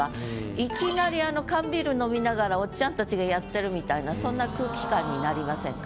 いきなり缶ビール飲みながらおっちゃんたちがやってるみたいなそんな空気感になりませんか？